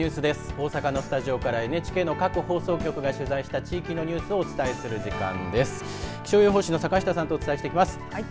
大阪のスタジオからＮＨＫの各放送局が取材した地域のニュースをお伝えする時間です。